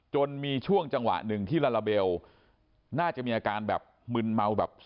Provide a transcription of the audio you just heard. จนมีช่วงจังหวะหนึ่งที่ลาลาเบลน่าจะมีอาการแบบมึนเมาแบบ